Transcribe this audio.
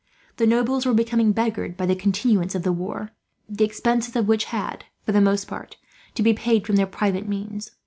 The nobles were becoming beggared by the continuance of the war, the expenses of which had, for the most part, to be paid from their private means.